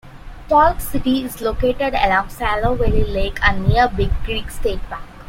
Polk City is located along Saylorville Lake and near Big Creek State Park.